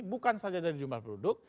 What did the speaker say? bukan saja dari jumlah produk